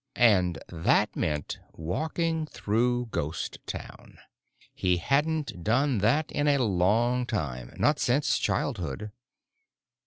And that meant walking through Ghost Town. He hadn't done that in a long time, not since childhood.